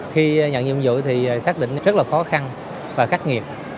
khi nhận nhiệm vụ thì xác định rất là khó khăn và khắc nghiệt